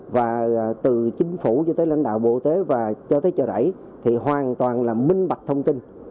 và từ chính phủ cho tới lãnh đạo bộ y tế và cho tới chợ rẫy thì hoàn toàn là minh bạch thông tin